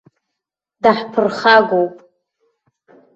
Даҳԥырхагоуп.